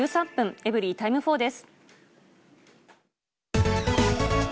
エブリィタイム４です。